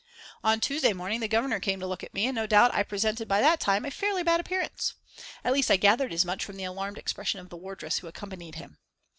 On Tuesday morning the Governor came to look at me, and no doubt I presented by that time a fairly bad appearance. At least I gathered as much from the alarmed expression of the wardress who accompanied him.